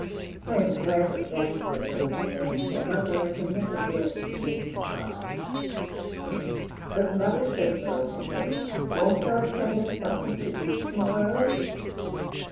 '" "I am glad of that," said little Mary, "for, mother, I never can bear to see you cry." "But, mother," says little Henry, "won't God send us something to eat to morrow?"